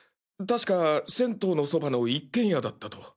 確か銭湯のそばの一軒家だったと。